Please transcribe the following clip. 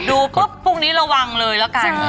ดูปุ๊บพรุ่งนี้ระวังเลยละกัน